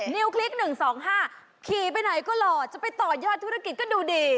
ิวคลิก๑๒๕ขี่ไปไหนก็หล่อจะไปต่อยอดธุรกิจก็ดูดี